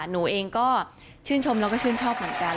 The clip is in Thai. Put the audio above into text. หนูเองก็ชื่นชมแล้วก็ชื่นชอบเหมือนกัน